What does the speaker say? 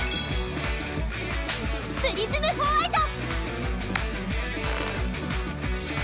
プリズムホワイト！